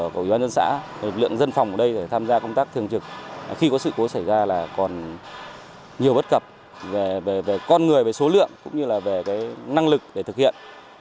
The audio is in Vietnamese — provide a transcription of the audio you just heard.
các lực lượng tham gia công tác thường trực khi có sự cố xảy ra còn nhiều bất cập về con người số lượng năng lực để thực hiện